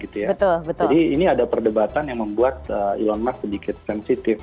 jadi ini ada perdebatan yang membuat elon musk sedikit sensitif